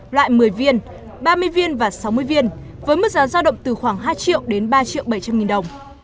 loại một mươi viên ba mươi viên và sáu mươi viên với mức giá giao động từ khoảng hai triệu đến ba triệu bảy trăm linh nghìn đồng